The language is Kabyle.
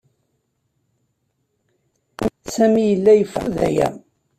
Sami yella yeffud aya.